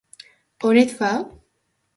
On et fa??